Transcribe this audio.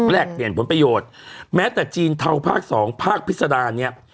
เปลี่ยนผลประโยชน์แม้แต่จีนเทาภาคสองภาคพิษดารเนี่ย